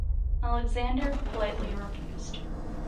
Alexander politely refused.